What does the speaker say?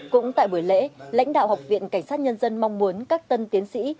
cũng tại buổi lễ lãnh đạo học viện cảnh sát nhân dân mong muốn các tân tiến sĩ